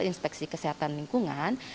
inspeksi kesehatan lingkungan